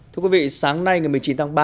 thưa quý vị sáng nay ngày một mươi chín tháng ba